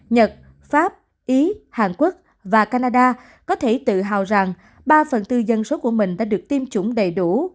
nhật pháp ý hàn quốc và canada có thể tự hào rằng ba phần tư dân số của mình đã được tiêm chủng đầy đủ